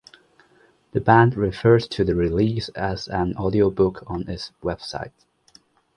The band refers to the release as an audiobook on its website.